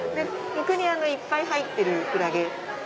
いっぱい入ってるクラゲ。